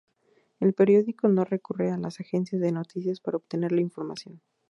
El periódico no recurre a las agencias de noticias para obtener la información.